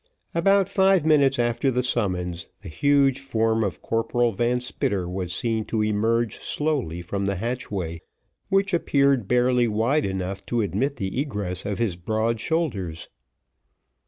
About five minutes after the summons, the huge form of Corporal Van Spitter was seen to emerge slowly from the hatchway, which appeared barely wide enough to admit the egress of his broad shoulders.